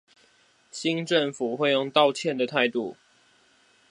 新政府會用道歉的態度